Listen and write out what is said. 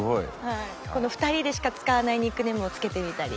この２人でしか使わないニックネームを付けてみたり。